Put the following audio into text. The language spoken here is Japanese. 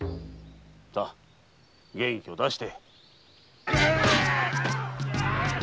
さぁ元気をだして。